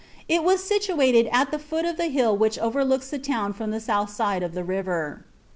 It was situated at the foot of the hill which riooks the town from the south side of the river.